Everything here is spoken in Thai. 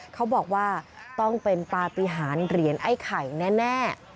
เขาบอกว่าต้องเป็นปฏิหารเหรียญไอ้ไข่แน่